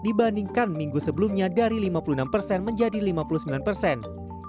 dibandingkan minggu sebelumnya dari lima puluh enam persen menjadi lima puluh sembilan persen